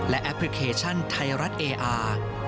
และแอปพลิเคชันไทยรัฐเออาร์